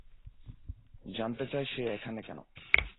জানতে চায় সে এখানে কেন?